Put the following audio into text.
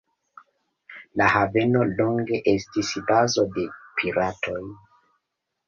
La haveno longe estis bazo de piratoj.